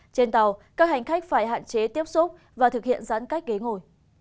trên tàu các hành khách phải hạn chế tiếp xúc và thực hiện giãn cách ghế ngồi